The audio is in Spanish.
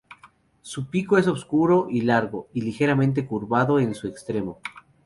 Su pico es oscuro y largo y ligeramente curvado en su extremo.